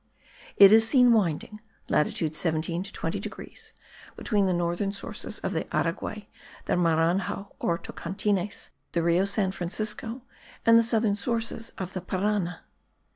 It is seen winding (latitude 17 to 20 degrees) between the northern sources of the Araguay, the Maranhao or Tocantines, the Rio San Francisco and the southern sources of the Parana.